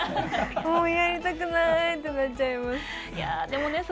もう、やりたくない！ってなっちゃいます。